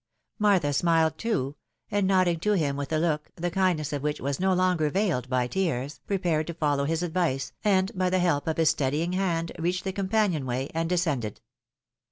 " Martha smiled too ; and nodding to him with a look, the kindness of which was no longer veiled by tears, prepared to follow his advice, and by the help of his steadying hand, reached the companion way, and descended.